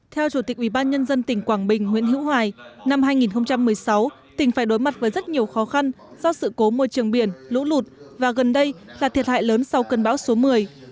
theo chủ tịch ubnd tỉnh quảng bình nguyễn hữu hoài năm hai nghìn một mươi sáu tỉnh phải đối mặt với rất nhiều khó khăn do sự cố môi trường biển lũ lụt và gần đây là thiệt hại lớn sau cơn bão số một mươi